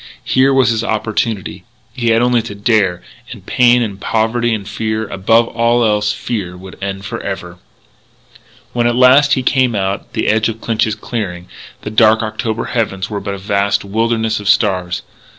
Here was his opportunity. He had only to dare; and pain and poverty and fear above all else fear would end forever!... When, at last, he came out to the edge of Clinch's clearing, the dark October heavens were but a vast wilderness of stars.